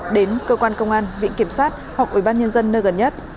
đến cơ quan công an viện kiểm sát hoặc ubnd nơi gần nhất